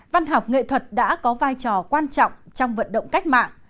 văn học nghệ thuật đã có vai trò quan trọng trong vận động cách mạng